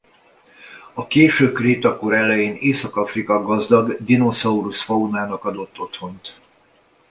A késő kréta kor elején Észak-Afrika gazdag dinoszaurusz faunának adott otthont.